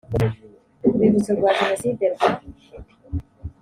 urwibutso rwa jenoside rwa